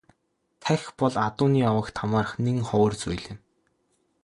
Тахь бол Адууны овогт хамаарах нэн ховор зүйл юм.